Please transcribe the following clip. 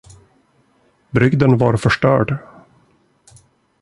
Brygden var förstörd.